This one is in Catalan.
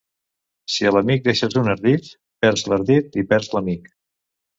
Si a l'amic deixes un ardit, perds l'ardit i perds l'amic.